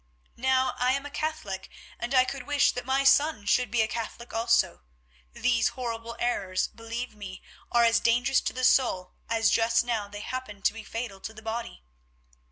Now I am Catholic, and I could wish that my son should be Catholic also; these horrible errors, believe me, are as dangerous to the soul as just now they happen to be fatal to the body.